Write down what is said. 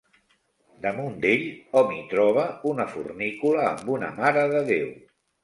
Damunt d'ell hom hi troba una fornícula amb una Mare de Déu.